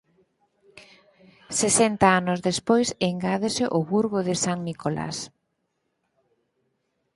Sesenta anos despois engádese o "burgo de san Nicolás".